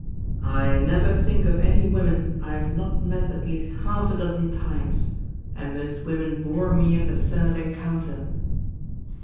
"I never think of any women I have not met at least half a dozen times, and most women bore me at the third encounter.